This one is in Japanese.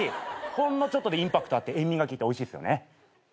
ほんのちょっとでインパクトあって塩味が効いておいしいっすよね。